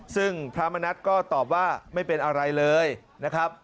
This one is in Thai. ซึ่งพระมณัฐก็ตอบว่าไม่เป็นอะไรเลยนะครับ